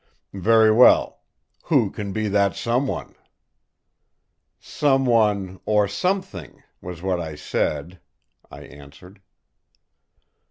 "Very well! Who can be that someone?" "'Someone, or something,' was what I said," I answered.